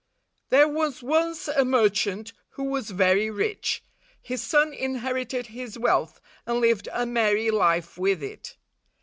There was once a merchant who was very rich. His son inherited his wealth, and lived a merry life with it.